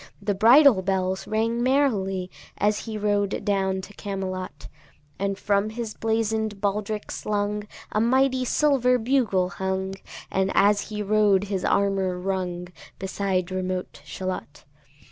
The bridle bells rang merrily As he rode down to Camelot: And from his blazon'd baldric slung A mighty silver bugle hung, And as he rode his armour rung, Beside remote Shalott.